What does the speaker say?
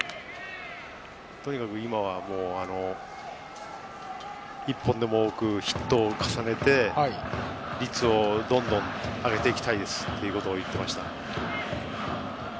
とにかく今は１本でも多くヒットを重ねて、率をどんどん上げていきたいですと言っていました。